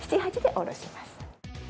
７８で下ろします。